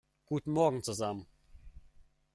Guten Morgen zusammen!